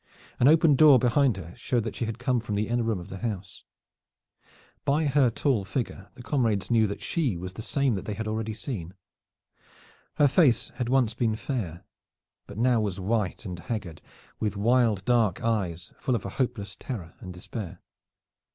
An open door behind her showed that she had come from the inner room of the house. By her tall figure the comrades knew that she was the same that they had already seen. Her face had once been fair, but now was white and haggard with wild dark eyes full of a hopeless terror and despair.